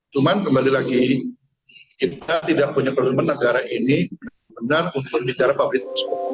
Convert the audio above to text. cuman kembali lagi kita tidak punya kelemen negara ini benar untuk bicara pabrik